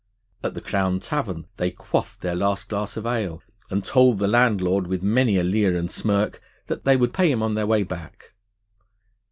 At the Crown Tavern they quaffed their last glass of ale, and told the landlord with many a leer and smirk that they would pay him on their way back.